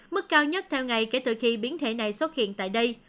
mức cao nhất theo ngày kể từ khi biến thể này xuất hiện tại đây